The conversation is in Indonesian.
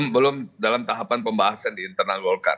belum dalam tahapan pembahasan di internal golkar